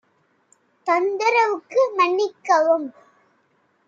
தொந்தரவுக்கு மன்னிக்கவும்